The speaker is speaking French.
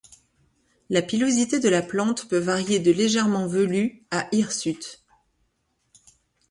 La pilosité de la plante peut varier de légèrement velue à hirsute.